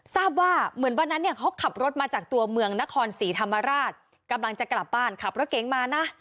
ทราบว่าเหมือนวันนั้นเนี่ยเขาขับรถมาจากตัวเมืองนครศรีธรรมราชกำลังจะกลับบ้านขับรถเก๋งมานะ